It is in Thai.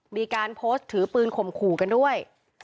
มีการโพสต์ถือปืนข่มขู่กันด้วย